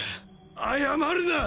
謝るな！